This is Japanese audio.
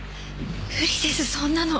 無理ですそんなの！